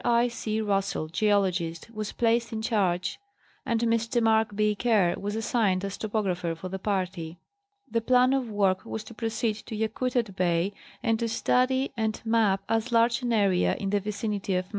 I. C. Russell, geologist, was placed in charge, and Mr. Mark B. Kerr was assigned as topographer of the party. The plan of work was to proceed to Yakutat Bay and to study and map as large an area in the vicinity of Mt.